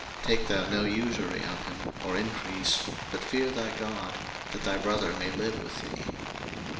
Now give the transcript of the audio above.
03:025:036 Take thou no usury of him, or increase: but fear thy God; that thy brother may live with thee.